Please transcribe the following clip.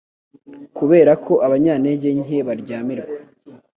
Kubera ko abanyantege nke baryamirwa